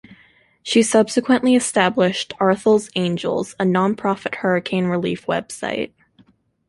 She subsequently established "Arthel's Angels", a nonprofit hurricane relief website.